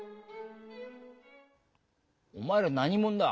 「お前ら何者だ？